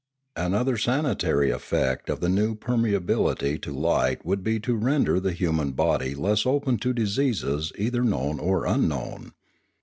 Another sanitary effect of the new permeability to light would be to render the human body less open to diseases either known or unknown.